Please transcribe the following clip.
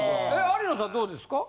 有野さんどうですか？